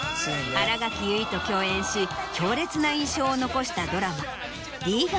新垣結衣と共演し強烈な印象を残したドラマ。